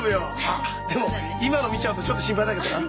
あっでも今の見ちゃうとちょっと心配だけどな。